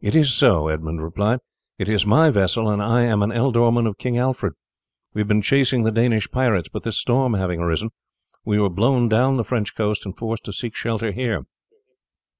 "It is so," Edmund replied; "it is my vessel, and I am an ealdorman of King Alfred. We have been chasing the Danish pirates, but this storm having arisen, we were blown down the French coast and forced to seek shelter here."